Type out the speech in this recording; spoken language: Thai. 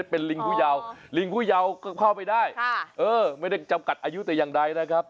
เป็นลิงผู้ยาวลิงผู้ยาวก็เข้าไปได้ไม่ได้จำกัดอายุแต่อย่างใดนะครับ